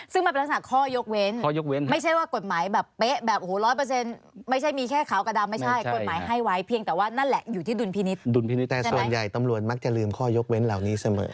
ซึ่งมันเป็นลักษณะข้อยกเว้น